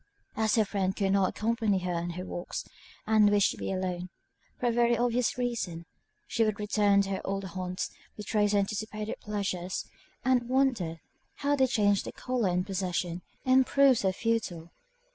As her friend could not accompany her in her walks, and wished to be alone, for a very obvious reason, she would return to her old haunts, retrace her anticipated pleasures and wonder how they changed their colour in possession, and proved so futile.